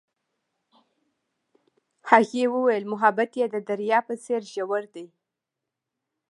هغې وویل محبت یې د دریا په څېر ژور دی.